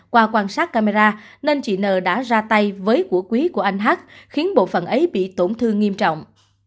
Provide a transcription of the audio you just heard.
qua quan sát camera nên chị n đã ra tay với của quý của anh hát khiến bộ phận ấy bị tổn thương nghiêm trọng